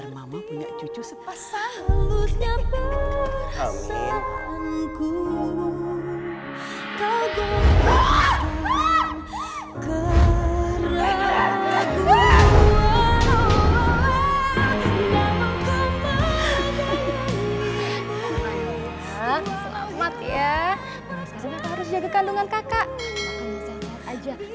makan yang sehat sehat aja